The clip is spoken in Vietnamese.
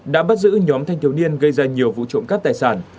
đã bắt giữ nhóm thanh thiếu niên gây ra nhiều vụ trộm cắp tài sản